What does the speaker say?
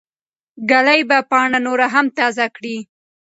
ږلۍ به پاڼه نوره هم تازه کړي.